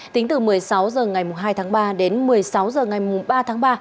tính từ một mươi sáu h ngày hai tháng ba đến một mươi sáu h ngày ba tháng ba